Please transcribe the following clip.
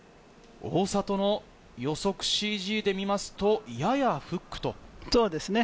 大里の予測ＣＧで見ますと、ややフック。